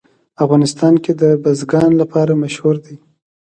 افغانستان د بزګان لپاره مشهور دی.